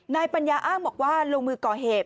ปัญญาอ้างบอกว่าลงมือก่อเหตุ